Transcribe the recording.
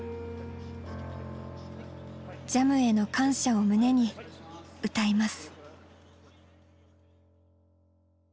ＪＡＭへの感謝を胸に歌います。